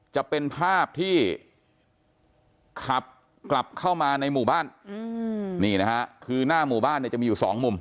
จะเป็นภาพที่ขับกลับเข้ามาในหมู่บ้านนี่นะฮะคือหน้าหมู่บ้านเนี่ยจะมีอยู่สองมุม